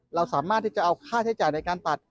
เราสามารถที่จะเอาค่าใช้จ่ายในการตัด